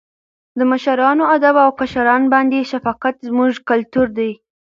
د مشرانو ادب او کشرانو باندې شفقت زموږ کلتور دی.